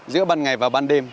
giữa ban ngày và ban đêm